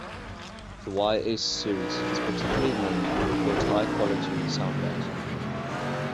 The "Ys" series is particularly known for its high-quality soundtracks.